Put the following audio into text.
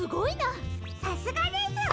さすがです！